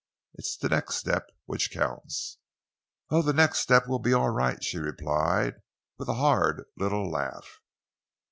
It is the next step which counts." "Oh, the next step will be all right!" she replied, with a hard little laugh.